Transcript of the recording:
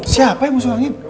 siapa yang masuk angin